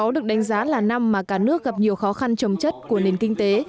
hai nghìn một mươi sáu được đánh giá là năm mà cả nước gặp nhiều khó khăn trồng chất của nền kinh tế